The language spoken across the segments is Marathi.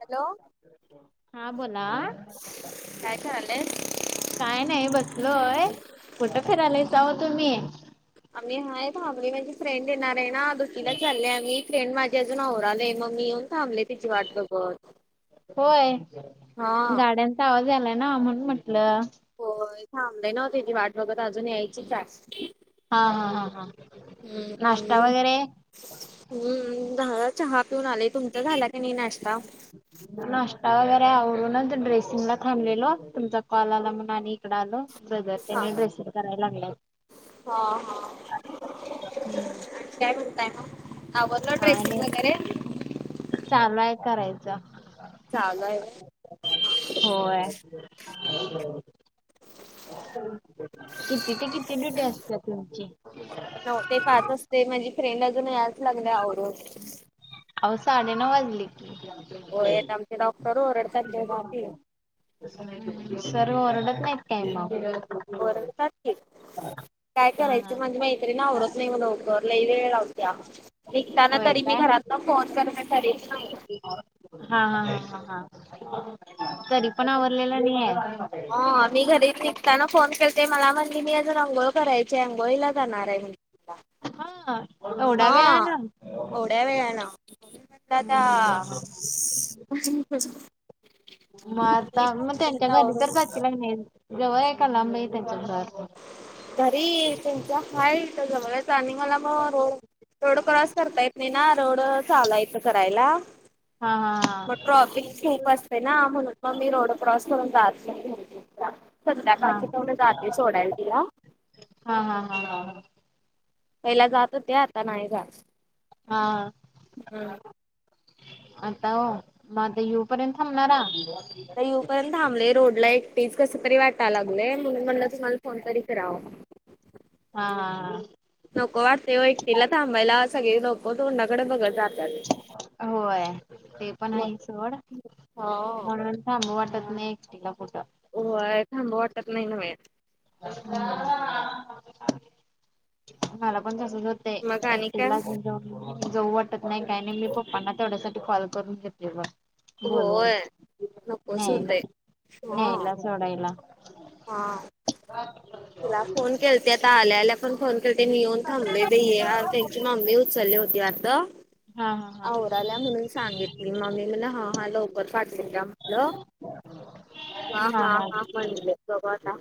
हॅलो. हा बोला. काय करालियास? काय नाही बसलोय, कुठं फिरालाईसा ओ तुम्ही? आम्ही हाय थांबले माजी फ्रेंड येणार आहे ना दुटीला चाले आम्ही. फ्रेंड माझी अजून आवराले मग मी येऊन थांबले तिची वाट बघत. होय हा गाड्यांचा आवाज आलाय ना म्हणून म्हटलं. होय थांबले नव्ह तिची वाट बघत अजून यायचीच हाय. हा हा हा हा आणि नाश्ता मग वगैरे? हम्म झाला चहा पिऊन आले. तुमचा झाला की नाही नाश्ता? नाश्ता वगैरे आवरूनच ड्रेसिंगला थांबलेलो तुमचा कॉलाला म्हणून आणि ईकड आलो ब्रदर हा तेनी ड्रेसिंग करायला लागलेतं. हा हा. हम्म काय म्हणताय म आवरलं काय ड्रेसिंग नाही वगैरे. चालू हाय करायच. चालू आहे व्हय. होय. किती ते किती ड्युटी असत्या तुमची? नऊ ते पाच असते म्हणजी फ्रेंड अजून यायच लागल्या आवरूनं. आवो साडे नऊ वाजले कि. होय आता आमचे डॉक्टर ओरडतात तेव्हा ती [unintelligible] हम्म सर ओरडत नाहीत? ओरडतात की [unintelligible] काय हा हा. करायचं माजी मैत्रीण आवरत नाही लवकर लई वेळ लावत्या. निघताना होय तरी मी काय? घरातनं फोन करते तरीबी हा हा हा हा हा. तरी पण आवरलेल नाहीये. हा मी घरी निघताना फोन कलते मला म्हणली मी अजून अंघोळ करायची आंघोळीला जाणार आहे. म्हण हा एवढा हा वेळान एवढ्या वेळानं म्हणून म्हटल आता हम्म. [unintelligible] मग आणि आता मग त्यांच्या म्हटलं घरी आवरून तर जाचीला काय नाही जवळ आहे का लांब आहे त्यांच घर? घरी त्यांच्या हाय इथं जवळच आणि मला म रोड रोड क्रॉस करता येत नाही ना रोड चालू हाय इथं करायला हा हा. मग ट्रॉफिक खूप असते ना म्हणून मग मी रोड क्रॉस करून जात नाही. हा संध्याकाळचे तेवढं जाते सोडायला तिला. हा हा हा हा हा. पहिला जात होते आता नाही जात. हा. हम्म. आता म आता यु पर्यंत थांबणारा? आता येऊपर्यंत थांबले रोडला एकटीच कस तरी वाटाय लागलेय म्हणून म्हटलं तुम्हाला फोन तरी कराव. हा हा हा. नको वाटते ओ एकटीला थांबायला सगळे लोकं तोंडाकडे बघत जात. होय ते पण मग आहे सोड हो म्हणून ांब वाटत नाहीक्स्टला फोटं हो थांब वाटत नाही नव मला पण तसं म ते मग आणि काय एकटलाग जाऊ वाटत नाही काही नाही मी पप्पांना तेवढ्यासाठी कॉल करून घेतले ब. बोलून होय नकोच न्यायला होतय हा न्यायला सोडायला. हा तुला फोन केलते आता आल्या आल्या पण फोन ते येऊन थांबले इथं ये त्यांची मम्मी उचलली होती वाढत. हा हा आवरा आल्या म्हणून सांगित. ममी मला हा हा लवकर फाटल का हा हा मलं मणले स्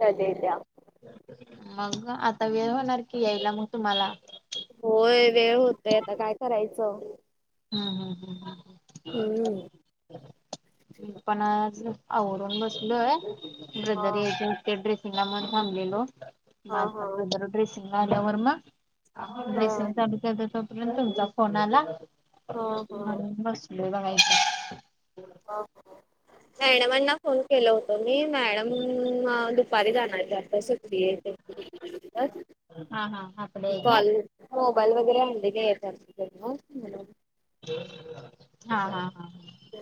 चलेल. मग आता वेळ होणार की यायला मग तुम्हाला होय वेळ होतोय आता काय करायचं. हम्म हम् हम्म हम्. म पण आज आवडून बसलोय हा ब्रदरीज त्या ड्रेसिंग ला मग थबलेलो हा माझा हा ब्रदर ड्रेसिंग ला आल्यावर मग हा बेसन चालू तोपर्यंत तुमचा फोन आला. हा हा ब बयच. मॅडमांना फोन केल होतो मी मॅडम ह दुपारी जाणार त्या हा हा आपलं एक काय कॉल मोबाईल वगैरे आणलेली येत. हा हा हा. ह.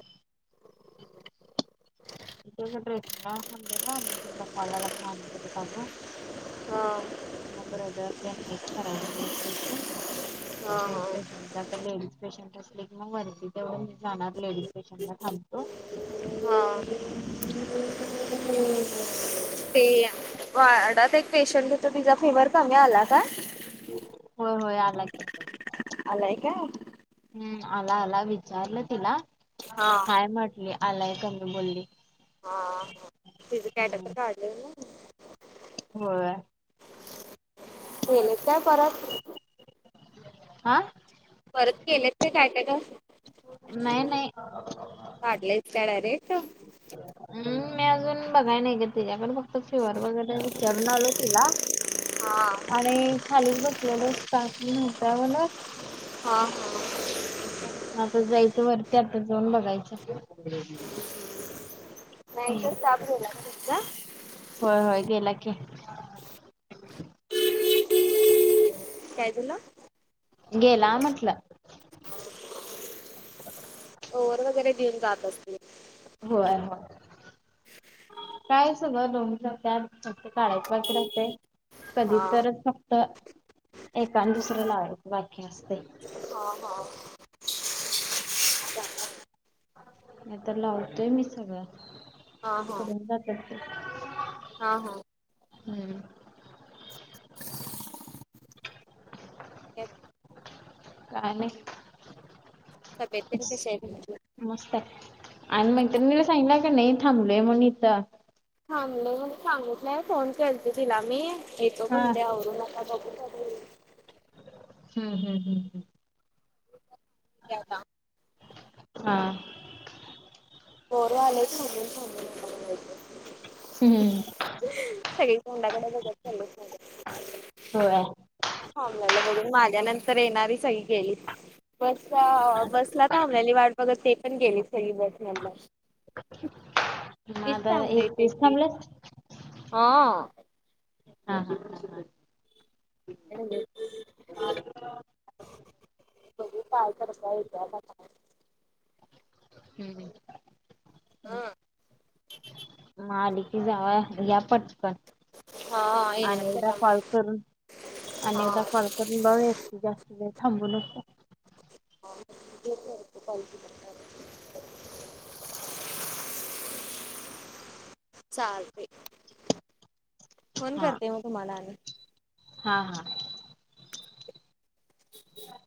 त ड्रेसिंग ना हले ना आ तुका कॉलला मान कर सग हा. म ब्रदर ते नाहीचछ राहिले हा हा जनरेशन लेडीज पेशंट असले कि मग वर जव मी जाणार लेडीज पेशंट ला थांबतो. हा. हम्म. हम्. ते वाडात एक पेशंट होत तिचा फिवर कमी आला का? होय होय आला के आलाय काय? हम्म आला आला विचारलं तिला हा काय म्हटली आलाय कमी बोलली. हा ह तिझ कॅटा तर काले ना. हो. येन परत आं. परत केल्यात का टायटाट नाही नाही पाटलेस काड रेट हम् मी अजून बघाय नाही घ तझकण बघ त शे वर वगैरे जरण आळ होती ना हा आणि खालीच बसलेलं असत म्हणत म्हण हा हा आता जायचं वरती आता जाऊन बघायचं नाही तर स्टाफ गेला का तुमचा हो हो गेलाके हो काय तला गेत. ओर वगैरे देऊन जात असते. होय हो. कायच ग लोन काढायच बाकीिरते कधी हा तरच फक्त एका आणि दुसरं लावयच बाकी असते... हा हा. नाही तर लावतोय मी सगळं हा हा करून जातो.... [unintelligible] हा हा.... हम्म... एक... का नाही... तब्येत तेन कशी आहे त्यांची.... मस्त आहे आणि मग त्यांनी मला सांगलं का नाही थांबलय म्हण इथं. थांबलो म्हणून सांगितलंय फोन केलता तिला मी येतो हा पण आवरून आता बघूया.... हम्म हम हम..... केलता.... हा.... थोडे आलेत सगळे... हम्म सगळी तोंडाकडे बघत चालल्यात.... हो... थांबलेली बघून माझ्या नंतर येणारी सगळी गेलीच... बसला बसला तर थांबलेली वाट बघत ते पण गेले सगळी बसमधून..... हो.. म आता एकटीच थांबलेस.... हा... हा हा.... पाय पडताय... म आली.... जावा या पटकन..... हा येणार अनेकदा त्याला कॉल करून हा अनेकदा कॉल.... सोनू भाऊ जास्त वेळ थांबू नको.... घे जरा पालखीचं... चालतय...... फोन हा करते म तुम्हाला आणि.... हा हा... [unintelligible]